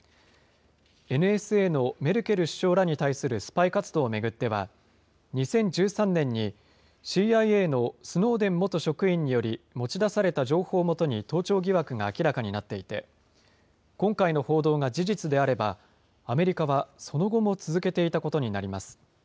ＮＳＡのメルケル首相らに対するスパイ活動を巡っては、２０１３年にＣＩＡのスノーデン元職員により持ち出された情報を基に盗聴疑惑が明らかになっていて、今回の報道が事実であれば、アメリカはその後も続けていたことになります。